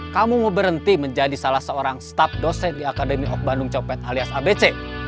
kamu mau berhenti menjadi salah seorang staf dosen di akademi hok bandung copet alias abc